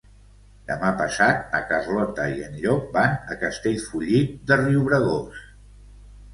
Demà passat na Carlota i en Llop van a Castellfollit de Riubregós.